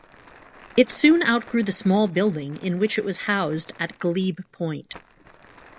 It soon out-grew the small building in which it was housed at Glebe Point.